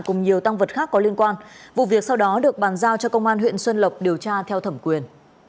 cùng nhiều tăng vật khác có liên quan vụ việc sau đó được bàn giao cho công an huyện xuân lộc điều tra theo thẩm quyền